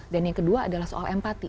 dan yang kedua adalah soal empati